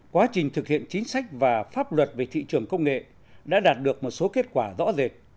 quá trình thực hiện chính sách và pháp luật về thị trường công nghệ đã đạt được một số kết quả rõ rệt